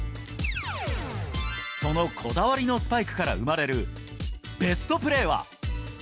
そのこだわりのスパイクから生まれるベストプレーは。